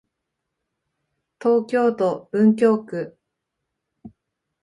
東京都文京区